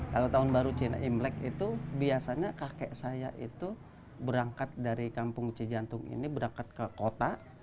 kalau tahun baru cina imlek itu biasanya kakek saya itu berangkat dari kampung cijantung ini berangkat ke kota